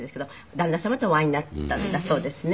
旦那様とお会いになったんだそうですね。